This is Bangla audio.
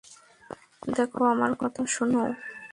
দেখো, আমার কথা শোনো।